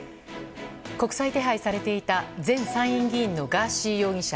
国際手配されていた前参院議員のガーシー容疑者。